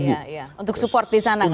untuk support di sana kan